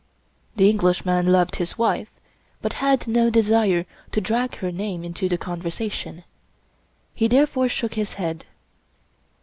The Englishman loved his wife, but had no desire to drag her name into the conversation. He therefore shook his head.